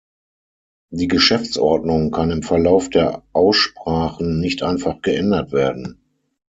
Die Geschäftsordnung kann im Verlauf der Aussprachen nicht einfach geändert werden.